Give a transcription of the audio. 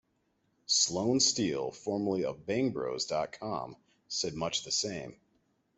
Sloane Steel, formerly of Bangbros dot com, said much the same.